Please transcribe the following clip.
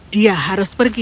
dia harus pergi